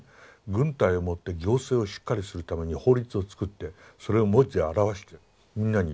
軍隊を持って行政をしっかりするためには法律を作ってそれを文字で表してみんなに徹底させて。